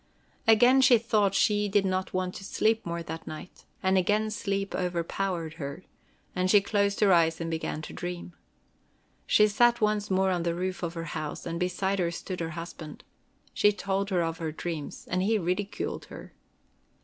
Again she thought she did not want to sleep more that night, and again sleep overpowered her, and she closed her eyes and began to dream. She sat once more on the roof of her house, and beside her stood her husband. She told him of her dreams, and he ridiculed her.